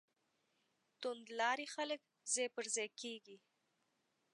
توندلاري خلک ځای پر ځای کېږي.